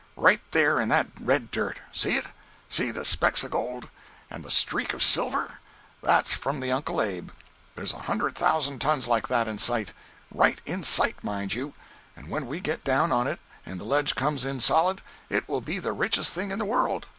Right there in that red dirt! See it? See the specks of gold? And the streak of silver? That's from the 'Uncle Abe.'"There's a hundred thousand tons like that in sight! Right in sight, mind you! And when we get down on it and the ledge comes in solid, it will be the richest thing in the world!